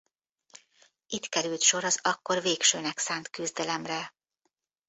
Itt került sor az akkor végsőnek szánt küzdelemre.